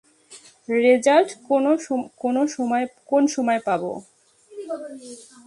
Result কোন সময় পাবো?